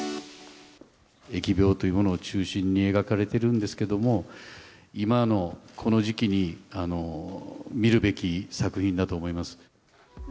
疫病というものを中心に描かれているんですけれども、今のこの時期に見るべき作品だと思います。